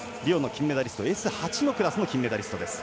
リオのＳ８のクラスの金メダリストです。